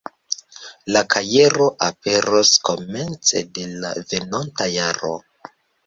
La kajero aperos komence de la venonta jaro.